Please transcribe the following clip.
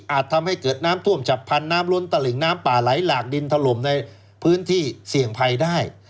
ทำให้เกิดน้ำท่วมฉับพันธุ์น้ำล้นตลิงน้ำป่าไหลหลากดินถล่มในพื้นที่เสี่ยงภัยได้